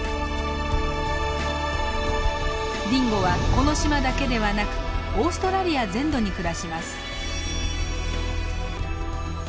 ディンゴはこの島だけではなくオーストラリア全土に暮らします。